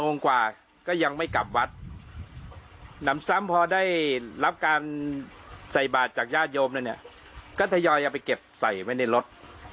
นำซ้ำพอได้รับการใส่บาตรจากญาติโยมนะเนี่ยก็ถยอยเอาไปเก็บใส่ไว้ในรถ